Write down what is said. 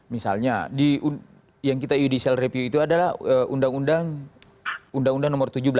misalnya yang kita judicial review itu adalah undang undang nomor tujuh belas